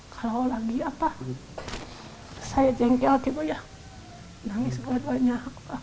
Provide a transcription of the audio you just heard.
kalau lagi apa saya jengkel gitu ya nangis buat banyak